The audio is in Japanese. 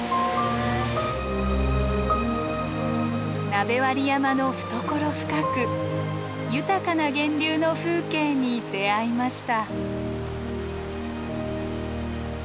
鍋割山の懐深く豊かな源流の風景に出会いました。